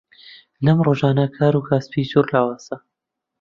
لەم ڕۆژانە کاروکاسبی زۆر لاوازە.